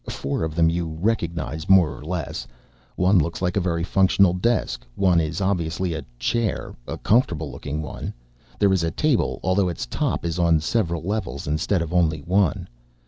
Four of them you recognize more or less. One looks like a very functional desk. One is obviously a chair ... a comfortable looking one. There is a table, although its top is on several levels instead of only one.